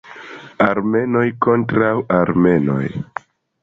Armenoj kontraŭ Armenoj.